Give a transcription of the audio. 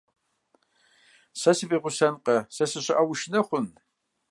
Сэ сывигъусэнкъэ, сэ сыщыӀэу ушынэ хъун?